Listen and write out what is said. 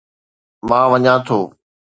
مان وڃان ٿو.